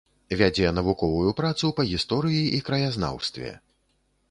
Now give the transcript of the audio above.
Вядзе навуковую працу па гісторыі і краязнаўстве.